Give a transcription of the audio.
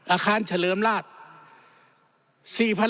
อาคารเฉลิมราช